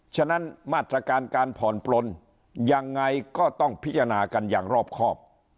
ฉะนั้นมาตรการการผ่อนปลนยังไงก็ต้องพิจารณากันอย่างรอบครอบ